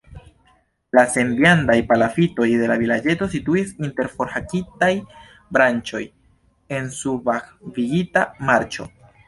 La senviandaj palafitoj de la vilaĝeto situis inter forhakitaj branĉoj en subakvigita marĉo.